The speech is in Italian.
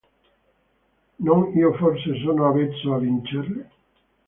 Non io forse sono avvezzo a vincerle?